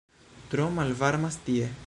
"Tro malvarmas tie!"